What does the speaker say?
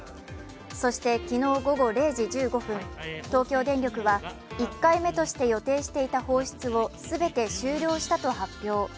そして、昨日午後０時１５分、東京電力は１回目として予定していた放出を全て終了したと発表。